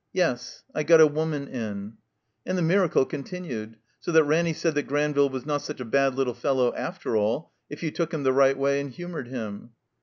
"Yes. I got a woman in." And the miracle continued; so that Ranny said that Granville was not such a bad little fellow, after all, if you took him the right way and humored him.